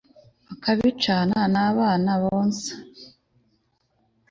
bakabicana n'abana bonsa